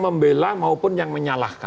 membela maupun yang menyalahkan